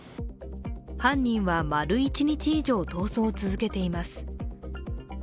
犯人は丸１日以上逃走を続けています。